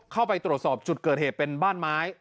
เข้าไปตรวจสอบจุดเกิดเหตุเป็นบ้านไม้